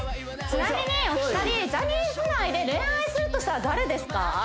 ちなみにお二人ジャニーズ内で恋愛するとしたら誰ですか？